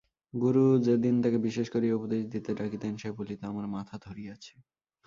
গুরু যেদিন তাকে বিশেষ করিয়া উপদেশ দিতে ডাকিতেন সে বলিত, আমার মাথা ধরিয়াছে।